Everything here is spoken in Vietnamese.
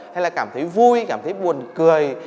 hay là cảm thấy vui cảm thấy buồn cười